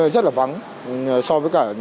rất là vắng so với cả